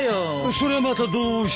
そりゃまたどうして？